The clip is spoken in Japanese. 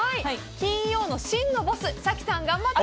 金曜の真のボス早紀さん、頑張って！